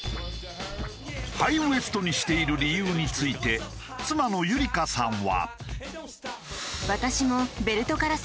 ハイウエストにしている理由について妻のゆり香さんは。